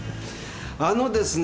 あのですね